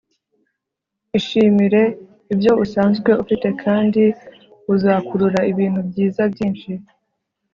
ishimire ibyo usanzwe ufite kandi uzakurura ibintu byiza byinshi